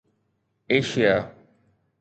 Asia